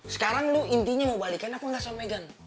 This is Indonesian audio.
sekarang lu intinya mau balikin apa gak sama megan